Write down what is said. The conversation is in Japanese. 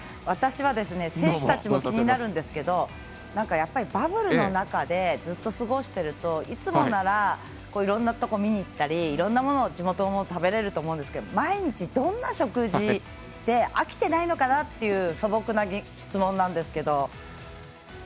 私たちは選手たちも気になるんですけどやっぱりバブルの中でずっと過ごしてるといつもなら、いろんなところ見に行ったり、いろんな地元のものも食べれると思うんですけど毎日、どんな食事で飽きてないのかなっていう素朴な質問なんですけど。